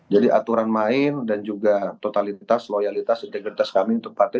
jadi aturan main dan juga totalitas loyalitas integritas kami untuk partai